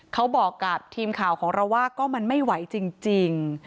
เขาบอกกับทีมข่าวของเราว่าก็มันไม่ไหวจริง